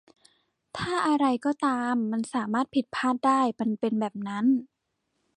ถ้าอะไรก็ตามมันสามารถผิดพลาดได้ มันเป็นแบบนั้น